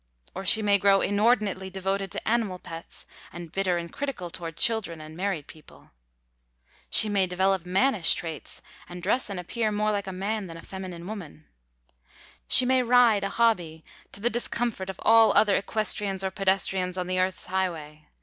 Or she may grow inordinately devoted to animal pets, and bitter and critical toward children and married people. She may develop mannish traits, and dress and appear more like a man than a feminine woman. She may ride a hobby, to the discomfort of all other equestrians or pedestrians on the earth's highway.